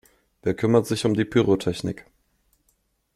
Wer kümmert sich um die Pyrotechnik?